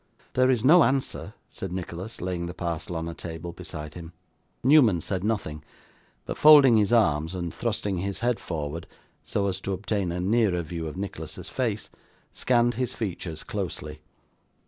'There is no answer,' said Nicholas, laying the parcel on a table beside him. Newman said nothing, but folding his arms, and thrusting his head forward so as to obtain a nearer view of Nicholas's face, scanned his features closely.